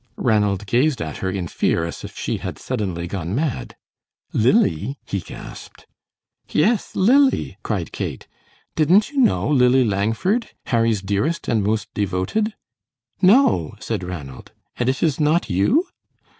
Ranald gazed at her in fear as if she had suddenly gone mad. "Lily?" he gasped. "Yes, Lily," cried Kate; "didn't you know Lily Langford, Harry's dearest and most devoted?" "No," said Ranald; "and it is not you?"